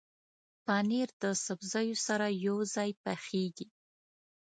پنېر د سبزیو سره یوځای پخېږي.